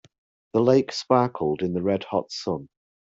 The lake sparkled in the red hot sun.